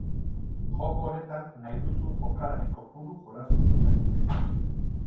Joko honetan nahi duzun jokalari kopuru jolastu ditzakete.